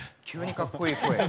かっこいい。